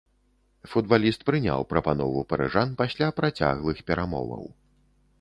Футбаліст прыняў прапанову парыжан пасля працяглых перамоваў.